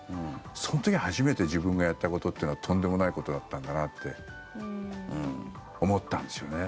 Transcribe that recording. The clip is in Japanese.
その時に初めて自分がやったことっていうのはとんでもないことだったんだなって思ったんですよね。